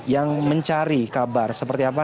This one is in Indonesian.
yang mencari kabar seperti apa